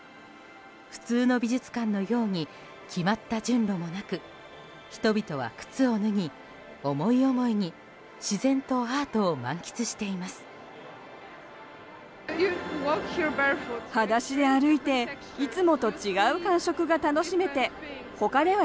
普通の美術館のように決まった順路もなく人々は靴を脱ぎ思い思いに自然とアートを満喫しています。